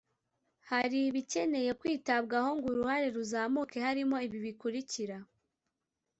hari ibikeneye kwitabwaho ngo uruhare ruzamuke harimo ibi bikurikira